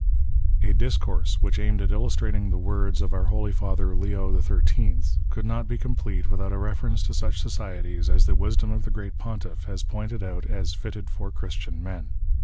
A discourse which aimed at illustrating the words of our Holy Father Leo XIII. could not be complete without a reference to such societies as the wisdom of the great Pontiff has pointed out as fitted for Christian men.